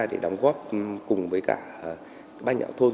để đóng góp cùng với cả ban nhạo thôn